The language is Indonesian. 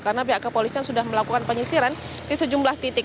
karena pihak kepolisian sudah melakukan penyisiran di sejumlah titik